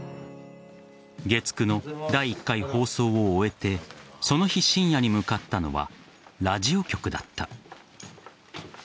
月９の第１回放送を終えてその日、深夜に向かったのはラジオ局だった。